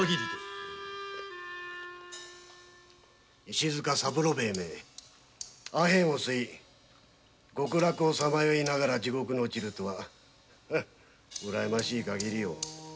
石塚三郎兵衛めアヘンを吸い極楽をさまよいながら地獄に落ちるとはうらやましい限りよ。